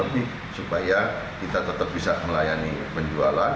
lebih supaya kita tetap bisa melayani penjualan